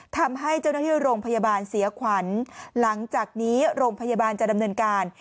ทำให้เจ้าหน้าที่โรงพยาบาลเสียขวัญหลังจากนี้โรงพยาบาลจะดำเนินการ